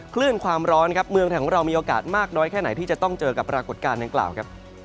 คลื่นความร้อนครับเมืองไทยของเรามีโอกาสมากน้อยแค่ไหนที่จะต้องเจอกับปรากฏการณ์ดังกล่าวครับ